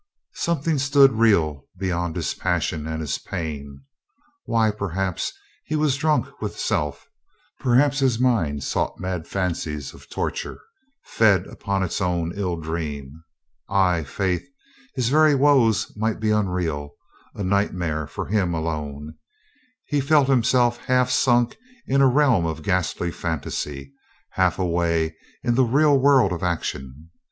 Something stood real beyond his passion and his pain. ... Why, perhaps he was drunk with self; perhaps his mind sought mad fancies of tor ture, fed upon its own ill dream. Ay, faith, his very woes might be unreal, a nightmare for him 268 COLONEL GREATHEART alone. He felt himself half sunk in a realm of ghastly fantasy, half away in the real world of ac tion.